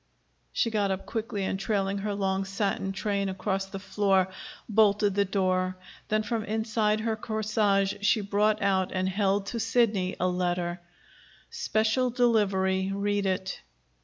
She got up quickly, and, trailing her long satin train across the floor, bolted the door. Then from inside her corsage she brought out and held to Sidney a letter. "Special delivery. Read it."